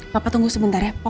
papa tunggu sebentar ya